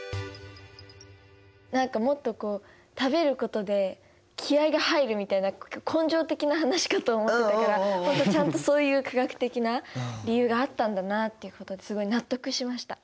何かもっとこう食べることで気合いが入るみたいな根性的な話かと思ってたから本当ちゃんとそういう科学的な理由があったんだなっていうことですごい納得しました。